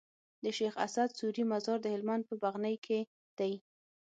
د شيخ اسعد سوري مزار د هلمند په بغنی کي دی